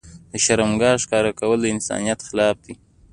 د شرمګاه ښکاره کول د انسانيت خلاف دي.